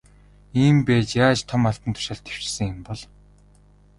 Ийм байж яаж том албан тушаалд дэвшсэн юм бол.